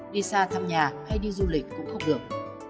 đi xa thăm nhà hay đi du lịch cũng không được